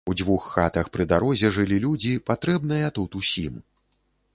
У дзвюх хатах пры дарозе жылі людзі, патрэбныя тут усім.